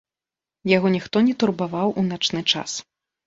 Яго ніхто не турбаваў у начны час.